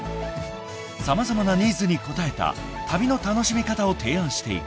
［様々なニーズに応えた旅の楽しみ方を提案していく］